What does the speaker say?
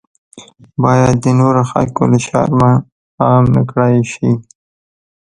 باید د نورو خلکو له شرمه عام نکړای شي.